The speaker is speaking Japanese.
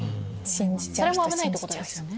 それも危ないってことですよね？